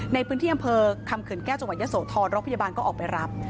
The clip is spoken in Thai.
ในพื้นที่อำเภอคำเขื่อนแก้วจังหวัดยะโสธรรถพยาบาลก็ออกไปรับ